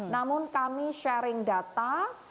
namun kami sharing data